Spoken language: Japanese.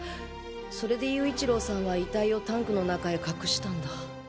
それで勇一郎さんは遺体をタンクの中へ隠したんだ。